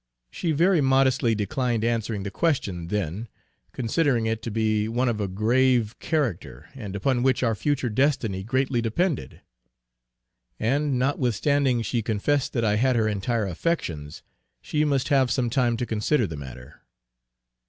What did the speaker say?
She very modestly declined answering the question then, considering it to be one of a grave character, and upon which our future destiny greatly depended. And notwithstanding she confessed that I had her entire affections, she must have some time to consider the matter.